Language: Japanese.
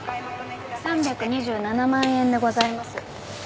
３２７万円でございます。